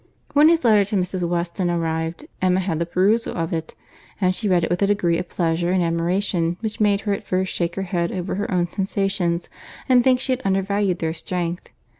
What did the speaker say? When his letter to Mrs. Weston arrived, Emma had the perusal of it; and she read it with a degree of pleasure and admiration which made her at first shake her head over her own sensations, and think she had undervalued their strength.